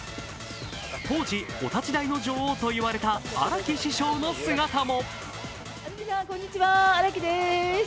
当時、お立ち台の女王と呼ばれた荒木師匠のお姿も。